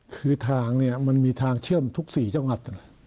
คือทางเนี่ยมันมีทางเชื่อมทุก๔จังหวัด